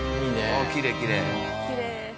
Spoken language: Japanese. ああきれいきれい。